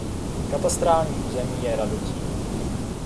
Katastrální území je Radotín.